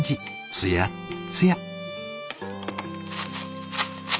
つやっつや！